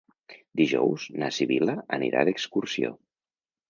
Dijous na Sibil·la anirà d'excursió.